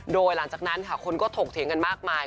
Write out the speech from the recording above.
โดยหลังจากนั้นค่ะคนก็ถกเถียงกันมากมาย